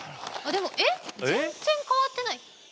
えっ全然変わってない。